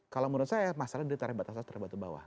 kalau menurut saya masalah dari tarif batas atas tarif batas bawah